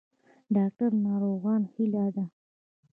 ډاکټر د ناروغانو هیله ده